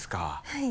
はい。